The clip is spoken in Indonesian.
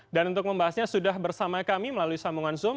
dan untuk membahasnya sudah bersama kami melalui sambungan zoom